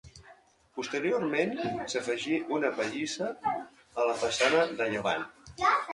Posteriorment s'afegí una pallissa a la façana de llevant.